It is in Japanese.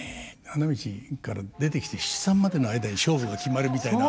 花道から出てきて七三までの間に勝負が決まるみたいな。